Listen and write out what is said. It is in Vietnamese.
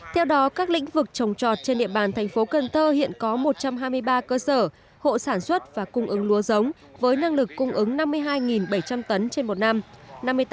theo đó các lĩnh vực trồng trọt trên địa bàn thành phố cần thơ hiện có một trăm hai mươi ba cơ sở hộ sản xuất và cung ứng lúa giống với năng lực cung ứng năm mươi hai bảy trăm linh tấn trên một năm